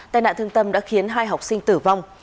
tai nạn thương tâm đã khiến hai học sinh tử vong